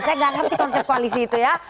saya nggak ngerti konsep koalisi itu ya